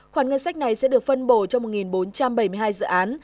khoản ngân sách này sẽ được phân bổ cho một bốn trăm bảy mươi hai dự án